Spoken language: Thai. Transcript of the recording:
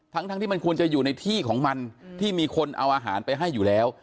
ทั้งที่มันควรจะอยู่ในที่ของมันที่มีคนเอาอาหารไปให้อยู่แล้ว